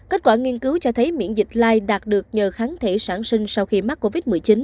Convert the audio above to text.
kết quả nghiên cứu cho thấy miễn dịch lai đạt được nhờ kháng thể sản sinh sau khi mắc covid một mươi chín